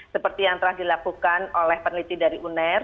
seperti yang telah dilakukan oleh peneliti dari uner